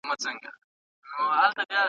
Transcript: ایا د غچ شراب تریخ دی که خوږ؟